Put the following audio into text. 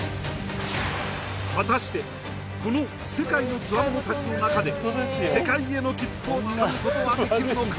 果たしてこの世界のツワモノ達の中で世界への切符をつかむことはできるのか？